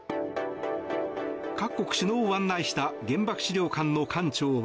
各国首脳を案内した原爆資料館の館長は。